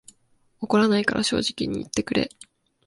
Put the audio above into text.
怒らないから正直に言ってくれ